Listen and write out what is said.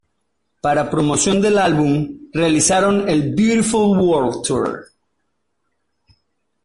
Para promoción del álbum realizaron el Beautiful World Tour.